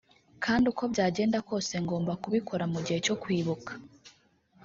kandi uko byagenda kose ngomba kubikora mu gihe cyo kwibuka